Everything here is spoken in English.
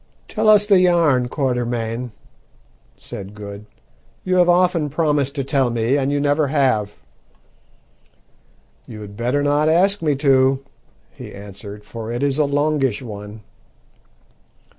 "Tell us the yarn, Quatermain," said Good. "You have often promised to tell me, and you never have." "You had better not ask me to," he answered, "for it is a longish one."